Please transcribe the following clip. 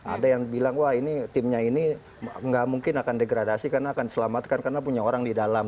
ada yang bilang wah ini timnya ini nggak mungkin akan degradasi karena akan diselamatkan karena punya orang di dalam